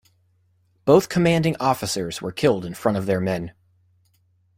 Both commanding officers were killed in front of their men.